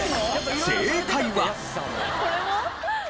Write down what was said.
正解は。